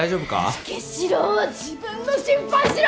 武四郎は自分の心配しろ！